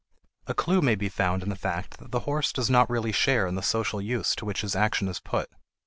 A clew may be found in the fact that the horse does not really share in the social use to which his action is put.